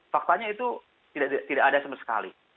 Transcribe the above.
faktanya itu tidak ada sama sekali